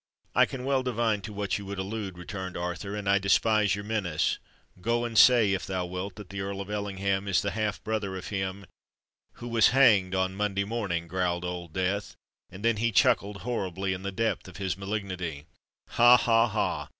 "I can well divine to what you would allude," returned Arthur; "and I despise your menace. Go and say, if thou wilt, that the Earl of Ellingham is the half brother of him——" "Who was hanged on Monday morning!" growled Old Death; and then he chuckled horribly in the depth of his malignity. "Ha! ha! ha!